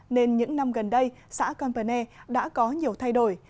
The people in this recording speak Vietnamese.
nên những năm gần đây xã converne đã có nhiều thay đổi